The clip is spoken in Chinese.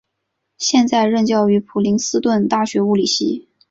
现在任教于普林斯顿大学物理系。